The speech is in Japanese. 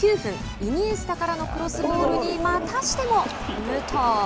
イニエスタからのクロスボールにまたしても武藤。